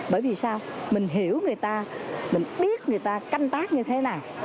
bởi vì sao mình hiểu người ta mình biết người ta canh tác như thế nào